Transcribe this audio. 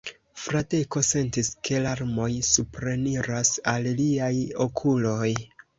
Fradeko sentis, ke larmoj supreniras al liaj okuloj.